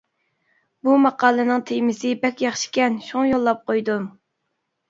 بۇ ماقالىنىڭ تېمىسى بەك ياخشىكەن شۇڭا يوللاپ قويدۇم.